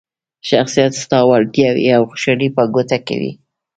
شخصیت ستا وړتیاوې او خوشحالي په ګوته کوي.